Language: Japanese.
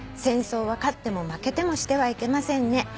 「戦争は勝っても負けてもしてはいけませんね」